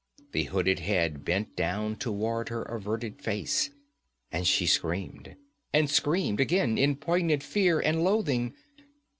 The hooded head bent down toward her averted face. And she screamed, and screamed again in poignant fear and loathing.